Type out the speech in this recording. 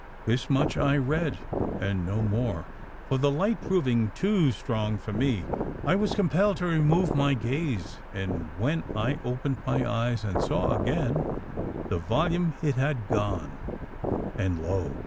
This much I read and no more for the light proving too strong for me, I was compelled to remove my gaze and when I opened my eyes and saw again the volume it had gone, and lo!